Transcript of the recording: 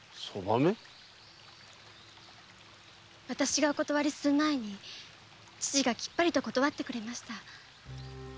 私がお断りする前に父がきっぱりと断ってくれました。